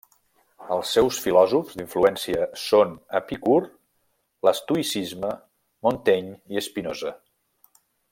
Els seus filòsofs d'influència són Epicur, l'estoïcisme, Montaigne i Spinoza.